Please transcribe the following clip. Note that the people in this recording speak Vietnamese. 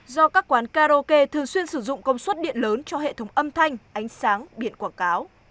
do các quán karaoke thường xuyên sử dụng công suất điện lớn cho hệ thống âm thanh ánh sáng biển quảng cáo